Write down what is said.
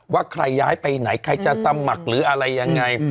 ว่าใครย้ายไปไหนใครจะสมัครหรืออะไรยังไง